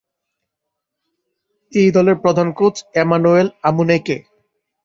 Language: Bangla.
এই দলের প্রধান কোচ এমানুয়েল আমুনেকে।